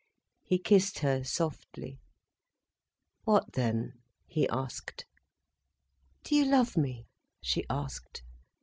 He kissed her softly. "What then?" he asked. "Do you love me?" she asked.